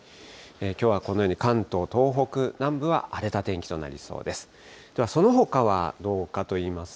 きょうはこのように関東、東北南部は荒れた天気となりそうです。